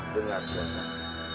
dengar kian santang